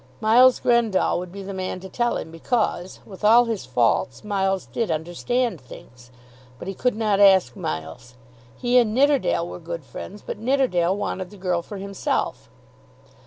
Miles Grendall would be the man to tell him, because, with all his faults, Miles did understand things. But he could not ask Miles. He and Nidderdale were good friends; but Nidderdale wanted the girl for himself.